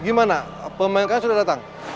gimana pemain kalian sudah datang